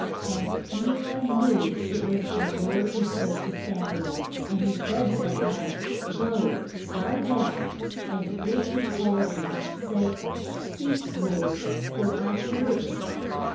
And E li knew it was the Lord who spoke to Sam u el. And he said to the lad, Go, lie down, and if he call thee, say, Speak, Lord, for I hear thee.